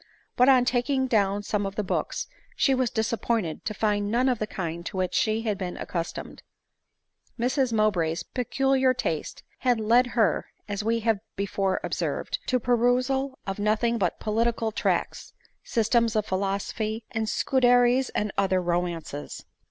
But, on taking down some of the books, she was disappointed to find none of the kind to which she had been accustomed. Mrs Mowbray's peculiar taste had led her, as we have be fore observed, to the perusal of nothing but political tracts, systems of philosophy, and Scuderi's and other romances.